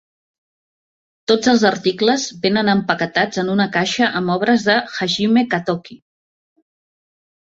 Tots els articles vénen empaquetats en una caixa amb obres de Hajime Katoki.